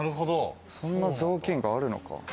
そんな雑巾があるのか。